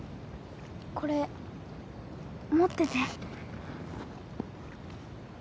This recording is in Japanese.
これ持ってて。